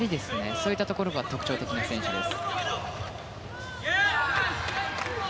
そういったところが特徴的な選手です。